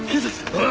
おい！